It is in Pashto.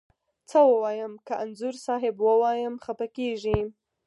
څه ووایم، که انځور صاحب ووایم خپه کږې.